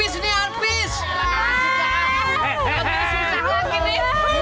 si ipah nih